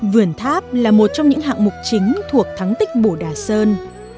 vườn tháp là một trong những hạng mục chính thuộc thắng tích bồ đà sơn